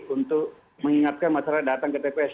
untuk mengingatkan masyarakat datang ke tps